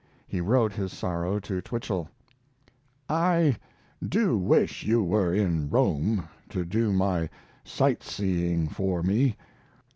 He wrote his sorrow to Twichell: I do wish you were in Rome to do my sight seeing for me.